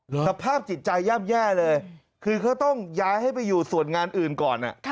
สภาพจิตใจย่ำแย่เลยคือเขาต้องย้ายให้ไปอยู่ส่วนงานอื่นก่อน